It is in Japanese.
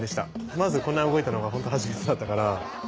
まずこんな動いたのがホント初めてだったから。